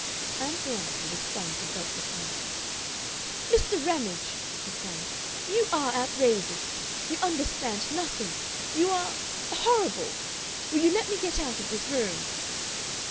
Ann Veronica was stung to helpless anger. "Mr. Ramage," she cried, "you are outrageous! You understand nothing. You are horrible. Will you let me go out of this room?"